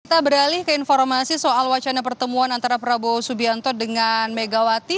kita beralih ke informasi soal wacana pertemuan antara prabowo subianto dengan megawati